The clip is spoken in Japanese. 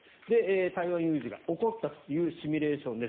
台湾有事が起こったというシミュレーションです。